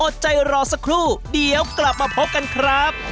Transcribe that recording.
อดใจรอสักครู่เดี๋ยวกลับมาพบกันครับ